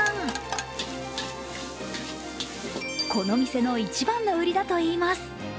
この店の一番の売りだといいます。